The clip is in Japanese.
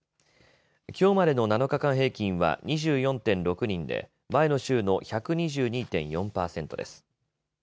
きょうまでの７日間平均は２４．６人で前の週の１２２．４％です。